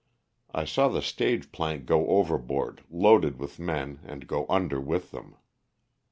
I saw the stage plank go overboard loaded with men and go under with them.